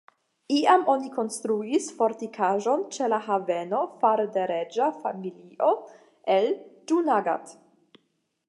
Iam oni konstruis fortikaĵon ĉe la haveno fare de reĝa familio el Ĝunagad.